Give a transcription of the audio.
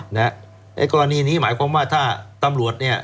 ในกรณีนี้หมายความว่าถ้าตำรวจเนี่ย